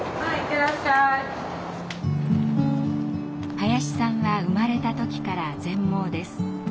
林さんは生まれた時から全盲です。